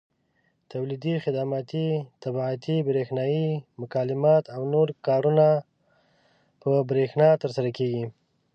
تولیدي، خدماتي، طباعتي، برېښنایي مکالمات او نور کارونه په برېښنا ترسره کېږي.